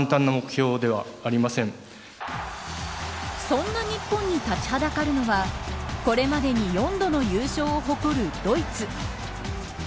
そんな日本に立ちはだかるのはこれまでに４度の優勝を誇るドイツ。